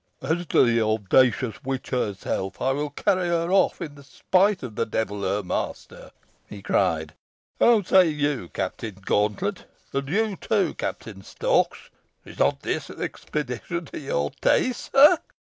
"As to the audacious witch herself, I will carry her off, in spite of the devil, her master!" he cried. "How say you, Captain Gauntlet and you too, Captain Storks, is not this an expedition to your tastes ha?"